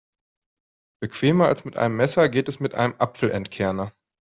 Bequemer als mit einem Messer geht es mit einem Apfelentkerner.